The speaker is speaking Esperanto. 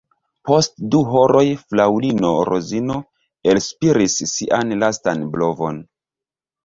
Post du horoj fraŭlino Rozino elspiris sian lastan blovon.